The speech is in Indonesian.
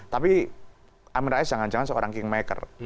tapi amin rais jangan jangan seorang kingmaker